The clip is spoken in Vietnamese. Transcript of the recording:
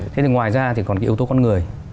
thế thì ngoài ra thì còn cái yếu tố con người